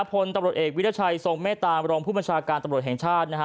พลตำรวจเอกวิรัชัยทรงเมตตามรองผู้บัญชาการตำรวจแห่งชาตินะฮะ